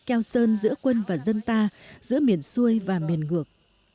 keo sơn giữa quân và dân ta giữa miền xuôi và miền ngược